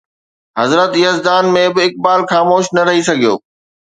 حضرت يزدان ۾ به اقبال خاموش نه رهي سگهيو